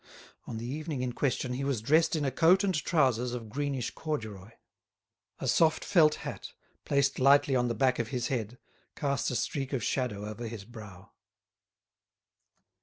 On the evening in question he was dressed in a coat and trousers of greenish corduroy. A soft felt hat, placed lightly on the back of his head, cast a streak of shadow over his brow.